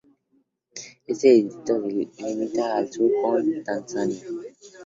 Este distrito limita al sur con Tanzania.